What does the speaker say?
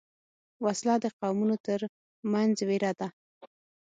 وسله د قومونو تر منځ وېره ده